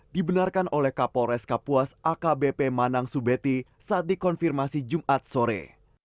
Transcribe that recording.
dibenarkan oleh kapolres kapuas akbp manang subeti saat dikonfirmasi jumat sore